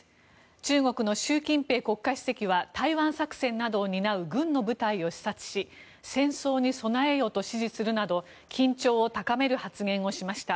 中国の習近平国家主席は台湾作戦などを担う軍の部隊を視察し戦争に備えよと指示するなど緊張を高める発言をしました。